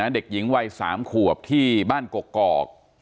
เด็กหญิงวัย๓ขวบที่บ้านกกอก